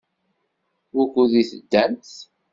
Wukud i teddamt?